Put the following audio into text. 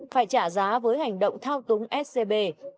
phải trả giá với hành động thao túng scb